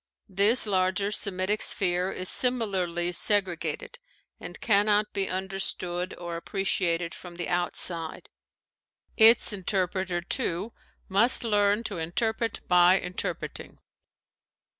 This larger Semitic sphere is similarly segregated and cannot be understood or appreciated from the outside. Its interpreter, too, must learn to interpret by interpreting.